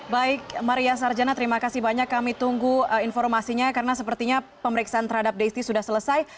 baik maria sarjana terima kasih banyak kami tunggu informasinya karena sepertinya pemeriksaan terhadap deisti sudah selesai